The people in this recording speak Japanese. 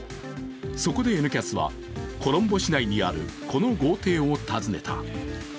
そこで「Ｎキャス」はコロンボ市内にあるこの豪邸を訪ねた。